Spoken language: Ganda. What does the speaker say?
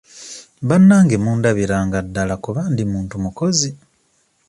Bannange mundabiranga ddala kuba ndi muntu mukozi.